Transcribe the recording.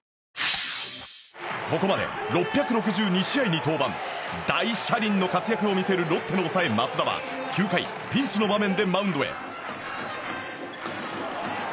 ここまで６６２試合に登板大車輪の活躍を見せるロッテの抑え、益田は９回、ピンチの場面でマウンドへ。